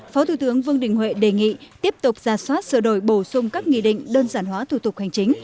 phó thủ tướng vương đình huệ đề nghị tiếp tục ra soát sửa đổi bổ sung các nghị định đơn giản hóa thủ tục hành chính